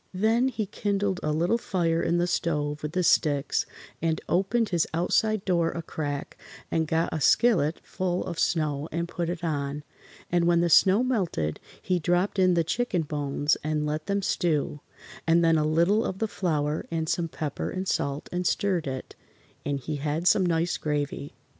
Then he kindled a little fire in the stove with the sticks and opened his outside door a crack and got a skillet full of snow and put it on, and when the snow melted he dropped in the chicken bones and let them stew, and then a little of the flour and some pepper and salt and stirred it, and he had some nice gravy.